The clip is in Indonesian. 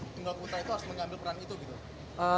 tunggal putra itu harus mengambil peran itu gitu